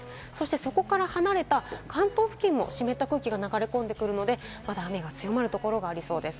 そこから離れた関東付近も湿った空気が流れ込んでくるので、雨が強まる所がありそうです。